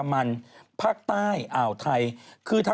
ไม่เห็นเลยอ่ะ